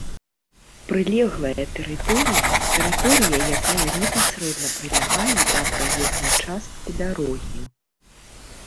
прылеглая тэрыторыя — тэрыторыя, якая непасрэдна прылягае да праезнай часткі дарогі